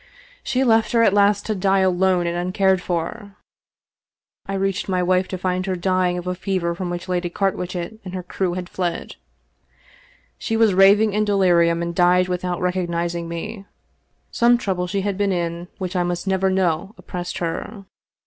She left her at last to die alone and uncared for. I reached my wife to find her dying of a fever from which Lady Car witchet and her crew had fled. She was raving in delirium, and died without recognizing me. Some trouble she had been in which I must never know oppressed her.